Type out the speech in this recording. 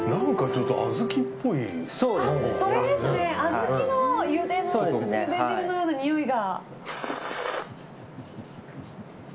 小豆のゆで汁のようなにおいが。